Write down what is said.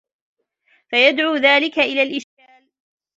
فَيَدْعُو ذَلِكَ إلَى الْإِشْكَالِ